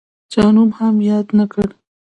چا نوم هم یاد نه کړ.